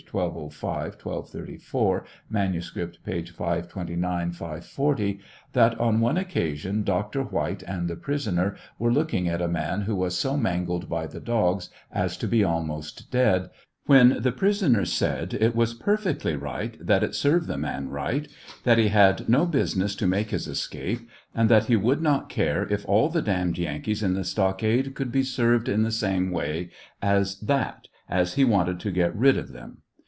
1205 1234; manuscript,p. 529 540) that on one occasion Dr. White and the prisoner were looking at a man who was so mangled by the dogs as to be almost dead, when the prisoner said, " it was perfectly right, that it served the man right ; that he had no business to make his escape, and that he would not care if all the damned Yankees in the stockade could be served in the same way as that, as he wanted to get rid of them."